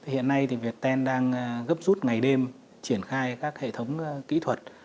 hiện nay thì viettel đang gấp rút ngày đêm triển khai các hệ thống kỹ thuật